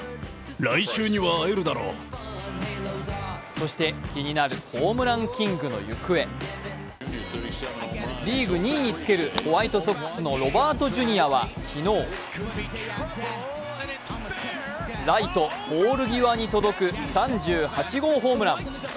そして気になるホームランキングの行方リーグ２位につけるホワイトソックスのロバート・ジュニアは昨日ライトポール際に届く３８号ホームラン。